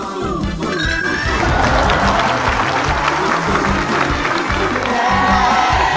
สวัสดีครับ